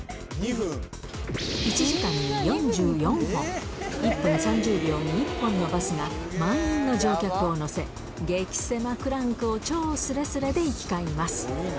１時間に４４本、１分３０秒に１本のバスが満員の乗客を乗せ、激せまクランクを超すれすれで行き交います。